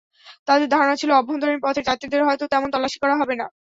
তাঁদের ধারণা ছিল, অভ্যন্তরীণ পথের যাত্রীদের হয়তো তেমন তল্লাশি করা হবে না।